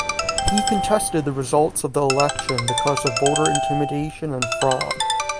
He contested the results of the election because of voter intimidation and fraud.